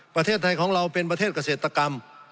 ประเทศไทยของเราเป็นประเทศเกษตรกรรม